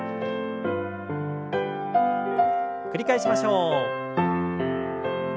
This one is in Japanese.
繰り返しましょう。